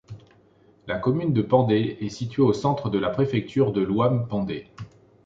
La commune de Pendé est située au centre de la préfecture de l’Ouham-Pendé.